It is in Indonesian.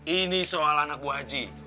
ini soal anak buah haji